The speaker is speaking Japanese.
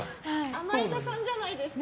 甘えたさんじゃないですか。